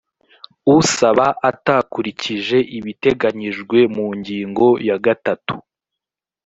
usaba atakurikije ibiteganyijwe mu ngingo ya gatatu